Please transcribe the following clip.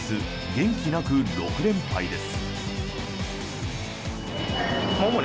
元気なく６連敗です。